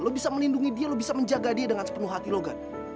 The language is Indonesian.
lo bisa melindungi dia lo bisa menjaga dia dengan sepenuh hati logat